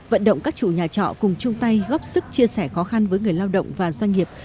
vận động các chủ nhà trọ cùng chung tay góp sức chia sẻ khó khăn với người lao động và doanh nghiệp